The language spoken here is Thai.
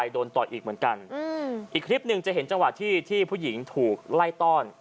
โดนต่อยอีกเหมือนกันอีกคลิปหนึ่งจะเห็นจังหวะที่ที่ผู้หญิงถูกไล่ต้อน